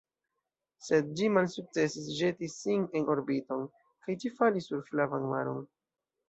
Sed ĝi malsukcesis ĵeti sin en orbiton, kaj ĝi falis sur Flavan Maron.